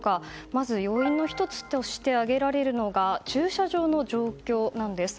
まず要因の１つとして挙げられるのが駐車場の状況なんです。